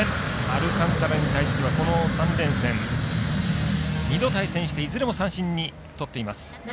アルカンタラに対してはこの３連戦２度対戦していずれも三振にとっています。